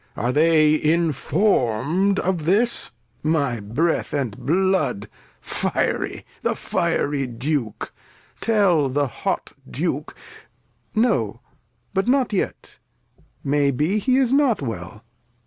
Are they inform'd of this ! My Breath and Blood ! Fiery ! the fiery Duke ! tell the hot Duke No, but not yet, may be he is not well.